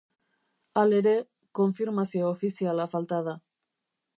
Halere, konfirmazio ofiziala falta da.